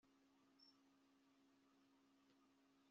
nzahora hano kubwawe amanywa n'ijoro